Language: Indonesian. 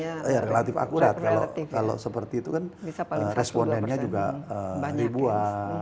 ya relatif akurat kalau seperti itu kan respondennya juga dibuat